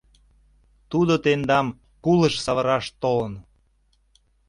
Тудо тендам кулыш савыраш толын!